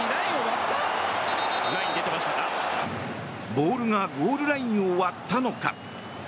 ボールがゴールラインを割ったのか。